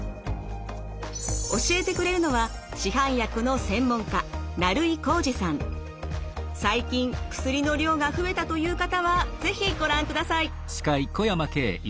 教えてくれるのは市販薬の専門家最近薬の量が増えたという方は是非ご覧ください。